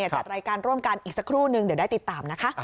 จัดรายการร่วมกันอีกสักครู่นึงเดี๋ยวได้ติดตามนะคะ